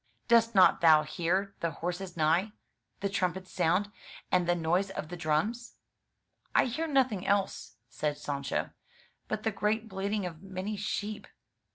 " Dost not thou hear the horses neigh, the trumpets sound, and the noise of the drums?" "I hear nothing else,'* said Sancho, *'but the great bleating of many sheep."